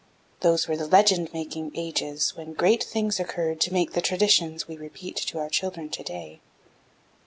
Those were the legend making ages when great things occurred to make the traditions we repeat to our children to day.